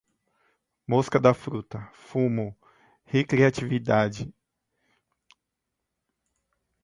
moscas-da-fruta, fumo, recreativamente, base livre, solidifica, inalatória, pirólise, putâmen, muscarínicos